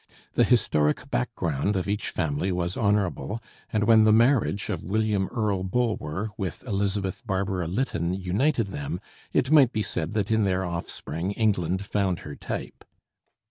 The historic background of each family was honorable, and when the marriage of William Earle Bulwer with Elizabeth Barbara Lytton united them, it might be said that in their offspring England found her type.